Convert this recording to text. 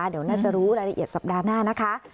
เดี๋ยวน่าจะรู้รายละเอียดสัปดาห์หน้านะคะ